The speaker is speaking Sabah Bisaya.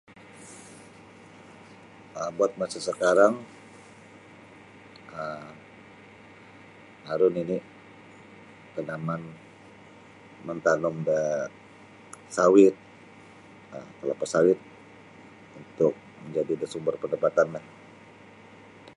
um Buat masa sakarang um aru nini tanaman mantanum da sawit um kalapa sawit untuk majadi da sumber pendapatan lah.